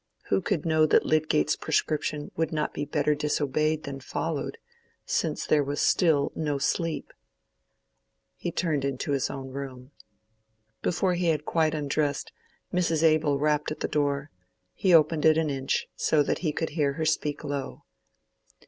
Who could know that Lydgate's prescription would not be better disobeyed than followed, since there was still no sleep? He turned into his own room. Before he had quite undressed, Mrs. Abel rapped at the door; he opened it an inch, so that he could hear her speak low.